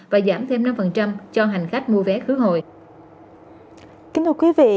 và giảm thêm năm cho hành khách mua vé khứa hội